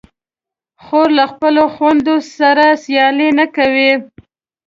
خور له خپلو خویندو سره سیالي نه کوي.